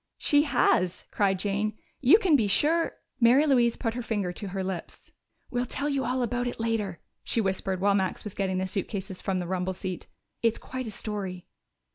"She has!" cried Jane. "You can be sure " Mary Louise put her finger to her lips. "We'll tell you all about it later," she whispered while Max was getting the suitcases from the rumble seat. "It's quite a story."